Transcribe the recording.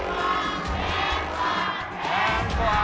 แพงกว่าแพงกว่าแพงกว่า